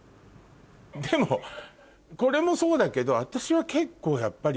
でもこれもそうだけど私は結構やっぱり。